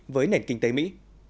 với nền kinh tế mỹ